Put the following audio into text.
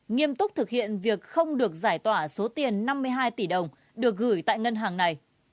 nghiêm túc thực hiện việc không được giải tỏa số tiền năm mươi hai tỷ đồng được gửi tại ngân hàng này